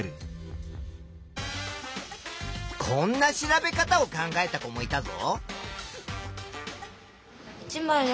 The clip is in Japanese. こんな調べ方を考えた子もいたぞ。